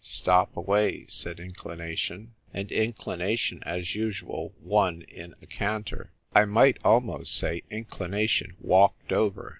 " Stop away," said Inclination. And Inclination, as usual, won in a canter — I might almost say. Inclination walked over.